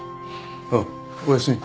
ああおやすみ。